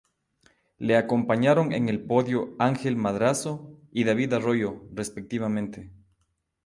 Le acompañaron en el podio Ángel Madrazo y David Arroyo, respectivamente.